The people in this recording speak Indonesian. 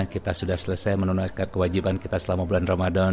kita sudah selesai menunaikan kewajiban kita selama bulan ramadan